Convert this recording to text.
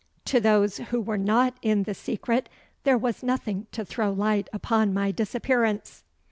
To those who were not in the secret there was nothing to throw light upon my disappearance.